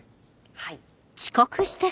はい。